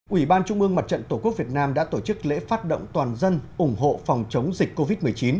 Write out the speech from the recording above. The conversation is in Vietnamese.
ủy ban trung ương mặt trận tổ quốc việt nam đã tổ chức lễ phát động toàn dân ủng hộ phòng chống dịch covid một mươi chín